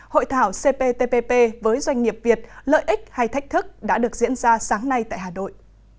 hội thảo cptpp với doanh nghiệp việt lợi ích hay thách thức đã được diễn ra sáng nay tại hà nội